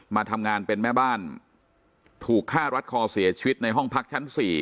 มาทำงานเป็นแม่บ้านถูกฆ่ารัดคอเสียชีวิตในห้องพักชั้น๔